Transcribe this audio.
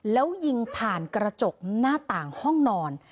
แล้วยิงผ่านกระจกหน้าต่างห้องนอน